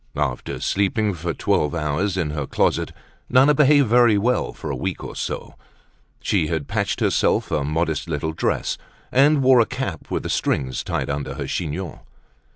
After sleeping for twelve hours in her closet, Nana behaved very well for a week or so. She had patched herself a modest little dress, and wore a cap with the strings tied under her chignon.